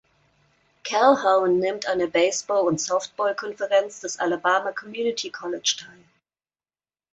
Calhoun nimmt an der Baseball- und Softball-Konferenz des Alabama Community College teil.